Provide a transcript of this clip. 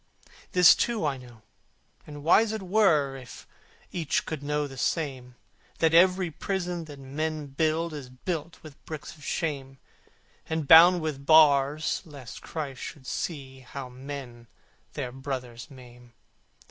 This too I know and wise it were If each could know the same That every prison that men build Is built with bricks of shame, And bound with bars lest Christ should see How men their brothers maim.